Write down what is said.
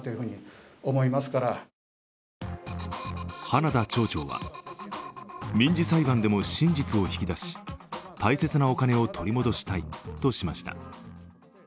花田町長は、民事裁判でも真実を引き出し大切なお金を取り戻したいとしました。